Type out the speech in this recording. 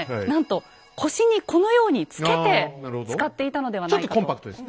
なんと腰にこのようにつけて使っていたのではないかと。